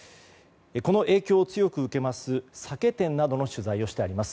この影響を強く受けます酒店などの取材をしています。